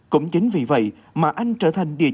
cũng chính vì vậy mà anh trở thành địa chỉ tiến sĩ